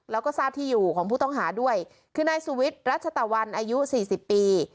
แล้วก็ทราบที่อยู่ของผู้ต้องหาด้วยคือนายสุวิทย์รัชตะวันอายุสี่สิบปี